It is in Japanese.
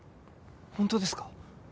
本当ですか？